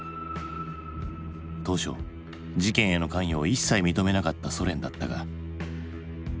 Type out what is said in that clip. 当初事件への関与を一切認めなかったソ連だったが。